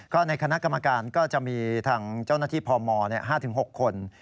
ก็ในคณะกรรมการก็จะมีทางเจ้าหน้าที่พม๕๖คน